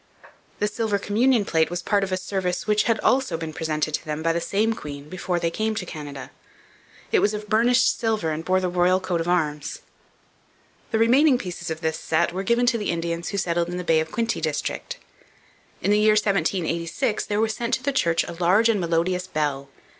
The silver communion plate was part of a service which had also been presented to them by the same queen before they came to Canada. It was of burnished silver and bore the Royal Coat of Arms. The remaining pieces of this set were given to the Indians who settled in the Bay of Quinte district. In the year 1786 there was sent to the church a large and melodious bell.